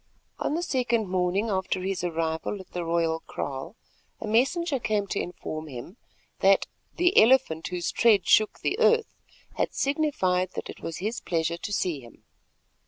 On the second morning after his arrival at the royal kraal, a messenger came to inform him that "the Elephant whose tread shook the earth" had signified that it was his pleasure to see him.